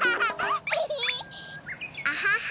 アハハ。